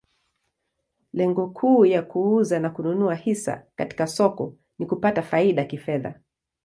Lengo kuu ya kuuza na kununua hisa katika soko ni kupata faida kifedha.